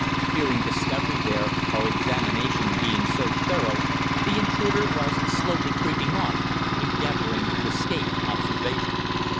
Fearing discovery there, our examination being so thorough, the intruder was slowly creeping off, endeavouring to escape observation.